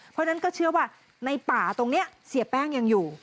เพราะฉะนั้นก็เชื่อว่าในป่าตรงนี้เสียแป้งยังอยู่